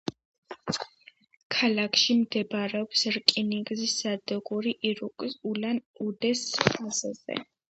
ქალაქში მდებარეობს რკინიგზის სადგური ირკუტსკ—ულან-უდეს ხაზზე.